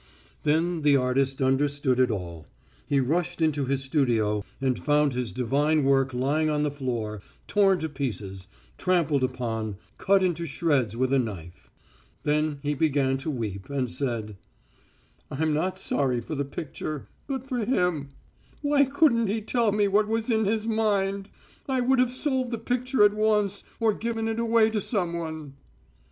Then the artist understood it all. He rushed into his studio and found his divine work lying on the floor, torn to pieces, trampled upon, cut into shreds with a knife.... Then he began to weep, and said: "I'm not sorry for the picture, but for him. Why couldn't he tell me what was in his mind? I would have sold the picture at once, or given it away to someone."